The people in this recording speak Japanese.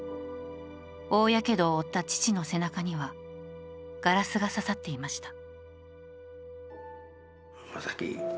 大やけどを負った父の背中にはガラスが刺さっていました。